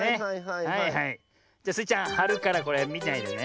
じゃスイちゃんはるからこれみないでね。